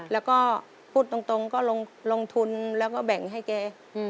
แล้วก็พูดตรงก็ลงทุนแล้วก็แบ่งให้แก